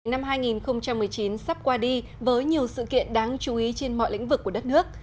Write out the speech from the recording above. năm hai nghìn một mươi chín sắp qua đi với nhiều sự kiện đáng chú ý trên mọi lĩnh vực của đất nước